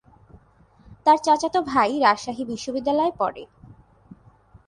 তার চাচাতো ভাই রাজশাহী বিশ্বনিদ্যালয়ে পড়ে।